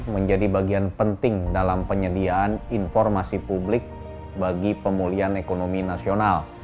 menjadi bagian penting dalam penyediaan informasi publik bagi pemulihan ekonomi nasional